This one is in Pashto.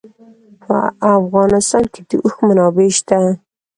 په افغانستان کې د اوښ منابع شته.